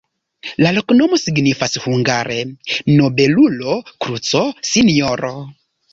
La loknomo signifas hungare: nobelulo-kruco-sinjoro.